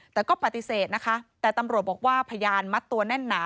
แต่ก็ปฏิเสธนะคะแต่ตำรวจบอกว่าพยานมัดตัวแน่นหนา